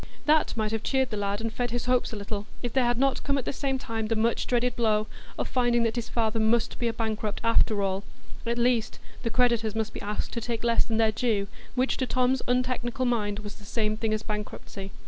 That might have cheered the lad and fed his hopes a little, if there had not come at the same time the much dreaded blow of finding that his father must be a bankrupt, after all; at least, the creditors must be asked to take less than their due, which to Tom's untechnical mind was the same thing as bankruptcy.